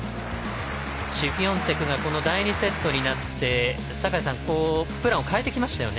シフィオンテクがこの第２セットになって坂井さんプランを変えてきましたよね。